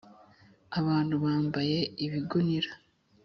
abantu bambaye ibigunira